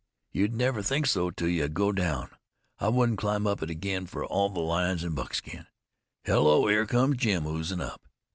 You'd never think so till you go down. I wouldn't climb up it again for all the lions in Buckskin. Hello, there comes Jim oozin' up."